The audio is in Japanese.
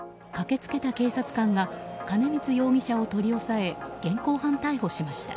駆けつけた警察官が金光容疑者を取り押さえ現行犯逮捕しました。